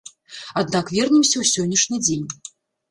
Аднак вернемся ў сённяшні дзень.